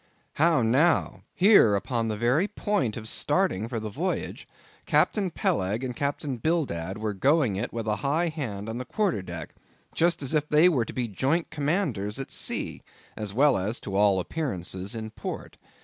How now! Here upon the very point of starting for the voyage, Captain Peleg and Captain Bildad were going it with a high hand on the quarter deck, just as if they were to be joint commanders at sea, as well as to all appearances in port.